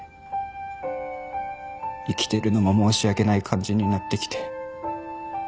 生きてるのも申し訳ない感じになってきて。